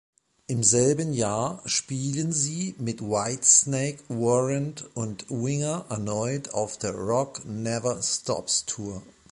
Im selben Jahr spielen sie mit Whitesnake, Warrant und Winger erneut auf der "Rock-Never-Stops"-Tour.